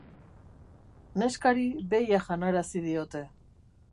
Neskari behia janarazi diote.